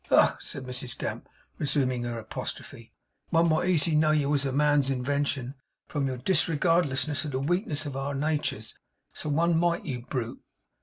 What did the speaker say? Ugh!' said Mrs Gamp, resuming her apostrophe, 'one might easy know you was a man's inwention, from your disregardlessness of the weakness of our naturs, so one might, you brute!